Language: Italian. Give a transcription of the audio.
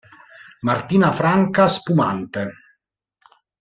Martina Franca Spumante.